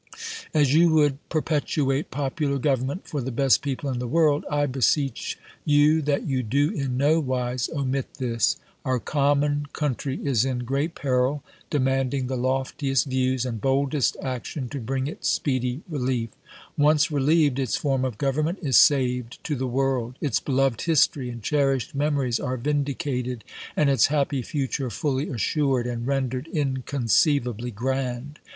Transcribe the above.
As you would perpetuate popular government for the best people in the world, I beseech you that you do in no wise omit this. Our common country is in great peril, de manding the loftiest views and boldest action to bring it speedy relief. Once relieved, its form of government is saved to the world, its beloved history and cherished memories are vindicated, and its happy future fuUy as sured and rendered inconceivably grand.